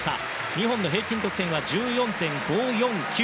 ２本の平均得点は１４．５４９。